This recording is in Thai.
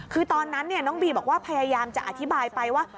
คือตอนนั้นน้องบีบอกว่าพยายามจะอธิบายไปว่า